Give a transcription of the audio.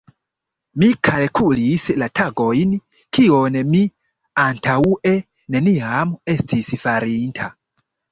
Mi kalkulis la tagojn, kion mi antaŭe neniam estis farinta.